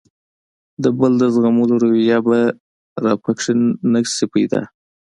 د بل د زغملو روحیه به راکې نه شي پیدا.